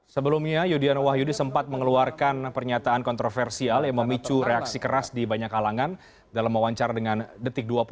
sebelumnya yudhian wahyudi sempat mengeluarkan pernyataan kontroversial yang memicu reaksi keras di banyak kalangan dalam wawancara dengan detik dua puluh